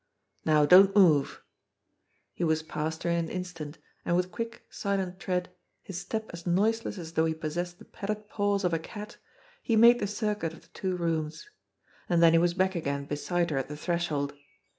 "Now, don't move !" He was past her in an instant, and with quick, silent tread, his step as noiseless as though he possessed the padded paws of a cat, he made the circuit of the two rooms. And then he was back again beside her at the threshold.